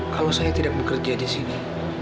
kalau saya tidak bekerja disini